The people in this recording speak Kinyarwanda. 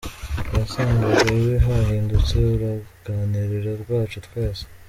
Wasangaga iwe hahindutse uruganiriro rwacu twese.